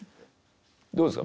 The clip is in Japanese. どうですか？